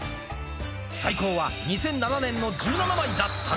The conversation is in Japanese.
最高は、２００７年の１７枚だったが。